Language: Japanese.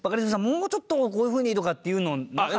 もうちょっとこういうふうに」とかっていうのなかった？